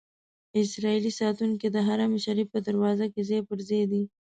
اسرائیلي ساتونکي د حرم شریف په دروازو کې ځای پر ځای دي.